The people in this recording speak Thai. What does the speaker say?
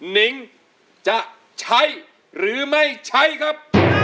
นิงจะใช้หรือไม่ใช้ครับ